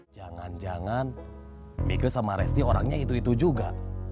jangan jangan michael sama resti orangnya itu itu juga